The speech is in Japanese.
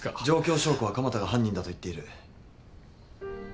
状況証拠は蒲田が犯人だといっている。